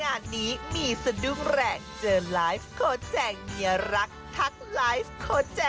งานนี้มีสดุแรงเจอไลฟ์โค้ดแจ๊กเมียรัก